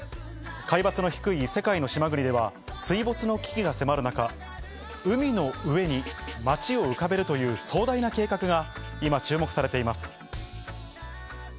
海抜の低い世界の島国では、水没の危機が迫る中、海の上に街を浮かべるという壮大な計画が今、注目されています。